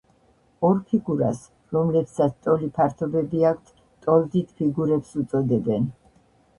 ორ ფიგურას, რომელებსაც ტოლი ფართობები აქვთ, ტოლდიდ ფიგურებს უწოდებენ.